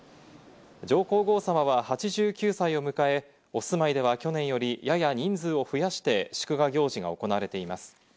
上皇后さまは８９歳を迎え、お住まいでは去年よりやや人数を増やして祝賀行事が行われています。